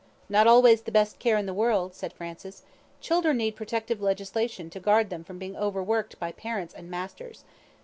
"Not always the best care in the world," said Francis. "Children need protective legislation to guard them from being overworked by parents and masters.